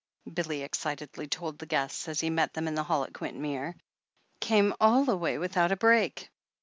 Billy excitedly told the guests, as he met them in the hall at Quintmere. "Came all the way without a break."